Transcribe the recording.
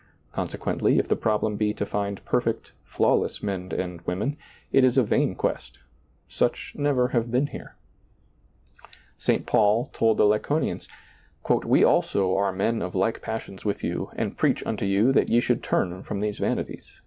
Consequently if the problem be to find perfect, flawless men and women, it is a vain quest — such never have been here, St. Paul told the Lycaonians :" We also are men of like pas sions with you, and preach unto you that ye should turn from these vanities."